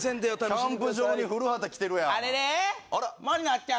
キャンプ場に古畑来てるやん。